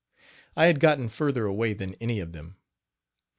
I had gotten further away than any of them.